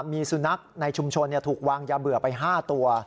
มีสุนัขในชุมชนถูกวางยาเบื่อไป๕ตัว